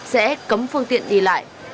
sẽ cấm phương tiện đi lại